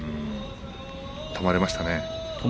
止まりましたね。